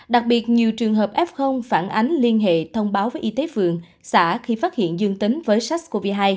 đặc biệt nhiều trường hợp f phản ánh liên hệ thông báo với y tế phường xã khi phát hiện dương tính với sars cov hai